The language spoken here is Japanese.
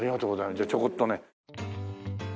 じゃあちょこっとね。